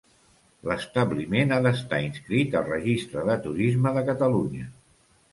L'establiment ha d'estar inscrit al Registre de Turisme de Catalunya.